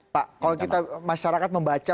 pak kalau kita masyarakat membaca